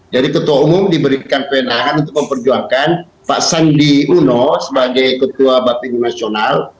jadi ketua umum diberikan penahan untuk memperjuangkan pak sandi uno sebagai ketua bapak injil nasional